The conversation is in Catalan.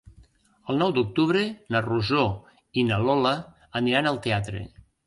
El nou d'octubre na Rosó i na Lola aniran al teatre.